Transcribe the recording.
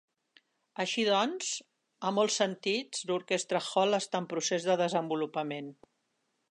Així doncs, a molts sentits, l'Orchestra Hall està en procés de desenvolupament.